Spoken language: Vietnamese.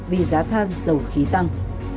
vì giá than dầu khí tăng